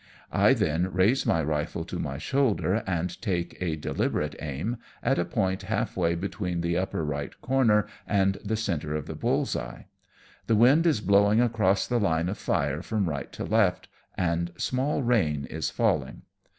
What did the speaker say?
I then raise my rifle to my shoulder, and take a deliberate aim, at a point half way between the upper right corner and the centre of the bulPs eye. The wind is blowing across the line of fire from right to left, and small rain is falling.